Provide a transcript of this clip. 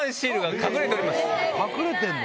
隠れてるの？